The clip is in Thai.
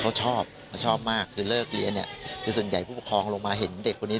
เขาชอบเขาชอบมากคือเลิกเรียนเนี่ยคือส่วนใหญ่ผู้ปกครองลงมาเห็นเด็กคนนี้